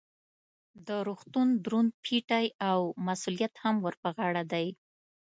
د روغتون دروند پیټی او مسؤلیت هم ور په غاړه دی.